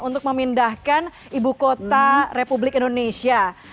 untuk memindahkan ibu kota republik indonesia